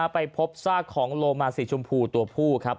ไปพบซากของโลมาสีชมพูตัวผู้ครับ